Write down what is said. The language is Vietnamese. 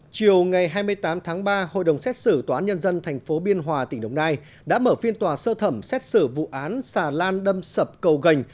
chiều ngày hai mươi tám tháng ba hội đồng xét xử tòa án nhân dân tp biên hòa tỉnh đồng nai đã mở phiên tòa sơ thẩm xét xử vụ án xà lan đâm sập cầu gành